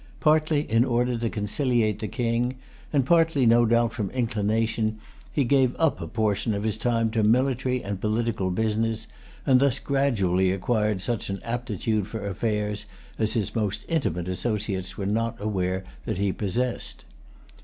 Partly in order to conciliate the king, and partly, no doubt, from inclination, he gave up a portion of his time to military and political business, and thus gradually acquired such an aptitude for affairs as his most intimate associates were not aware that he possessed.